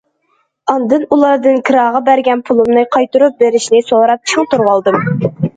ئاندىن ئۇلاردىن كىراغا بەرگەن پۇلۇمنى قايتۇرۇپ بېرىشنى سوراپ چىڭ تۇرۇۋالدىم.